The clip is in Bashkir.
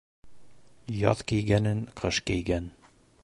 Яҙ кейгәнен ҡыш кейгән.